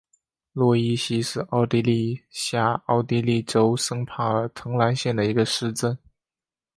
洛伊希是奥地利下奥地利州圣帕尔滕兰县的一个市镇。